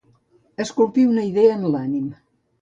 Esculpir una idea en l'ànim.